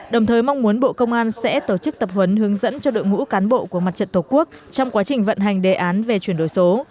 đồng thời mong muốn bộ công an sẽ tổ chức tập huấn hướng dẫn cho đội ngũ cán bộ của mặt trận tổ quốc trong quá trình vận hành đề án về chuyển đổi số